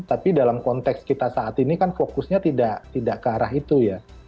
tapi dalam konteks kita saat ini kan fokusnya tidak ke arah itu ya